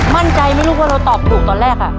มั่นใจมั้ยลูกพ่อเราตอบถูกตอนแรกอะ